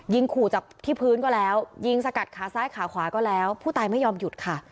ขู่จากที่พื้นก็แล้วยิงสกัดขาซ้ายขาขวาก็แล้วผู้ตายไม่ยอมหยุดค่ะ